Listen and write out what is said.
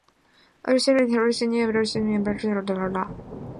雷焦卡拉布里亚广域市是意大利卡拉布里亚的一个广域市。